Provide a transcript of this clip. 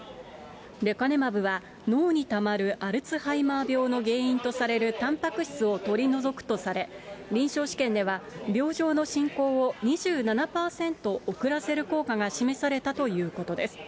レカネマブは脳にたまるアルツハイマー病の原因とされるたんぱく質を取り除くとされ、臨床試験では病状の進行を２７％遅らせる効果が示されたということです。